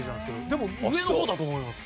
でも上の方だと思います。